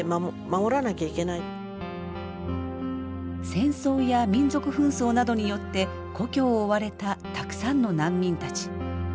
戦争や民族紛争などによって故郷を追われたたくさんの難民たち。